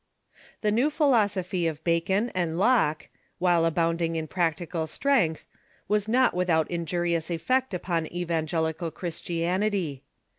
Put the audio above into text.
The new philosophy of Bacon and Locke, while abounding in practical strength, was not without injurious effect upon evangelical Christianity.